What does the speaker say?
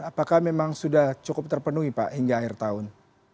apakah memang sudah cukup terpenuhi pak hingga akhir tahun